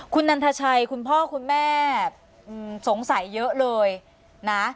คุณนันทชัยคุณพ่อคุณแม่สงสัยเยอะเลยนะ